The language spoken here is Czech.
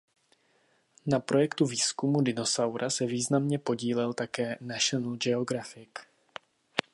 Na projektu výzkumu dinosaura se významně podílel také "National Geographic".